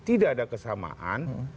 tidak ada kesamaan